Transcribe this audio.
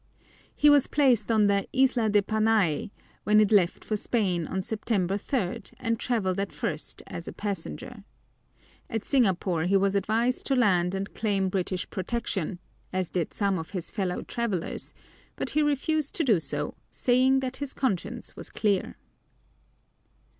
He was placed on the Isla de Panay when it left for Spain on September third and traveled at first as a passenger. At Singapore he was advised to land and claim British protection, as did some of his fellow travelers, but he refused to do so, saying that his conscience was clear.